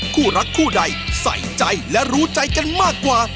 คู่รักคู่ใดใส่ใจและรู้ใจกันมากกว่า